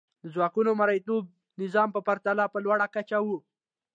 دا ځواکونه د مرئیتوب نظام په پرتله په لوړه کچه وو.